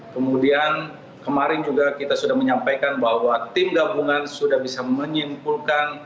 kemudian kemarin juga kita sudah menyampaikan bahwa tim gabungan sudah bisa menyimpulkan